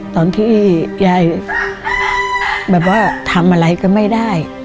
ตอนที่ยายแบบว่าทำอะไรก็ไม่ได้